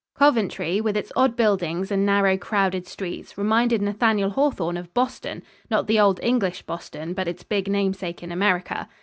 Coventry, with its odd buildings and narrow, crowded streets, reminded Nathaniel Hawthorne of Boston not the old English Boston, but its big namesake in America.